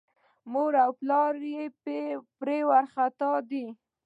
مور او پلار یې پرې وارخطا دي.